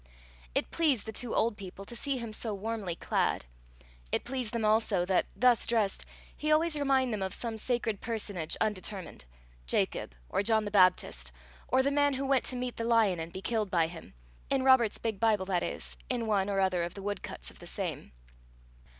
It pleased the two old people to see him so warmly clad. It pleased them also that, thus dressed, he always reminded them of some sacred personage undetermined Jacob, or John the Baptist, or the man who went to meet the lion and be killed by him in Robert's big Bible, that is, in one or other of the woodcuts of the same.